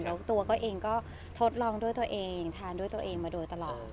แล้วตัวก็เองก็ทดลองด้วยตัวเองทานด้วยตัวเองมาโดยตลอด